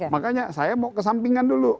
makanya saya mau kesampingan dulu